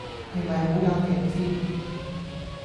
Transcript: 係咪好撚型先